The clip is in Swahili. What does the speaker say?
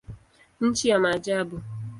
Nchi ya maajabu.